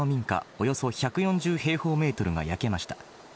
およそ１４０平方メートルが焼けました。